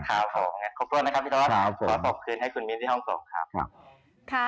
ขอบคุณนะครับพี่ท้อขอบคุณให้คุณมินทร์ที่ห้องส่ง